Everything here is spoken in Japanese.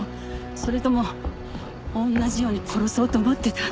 それとも同じように殺そうと思ってた？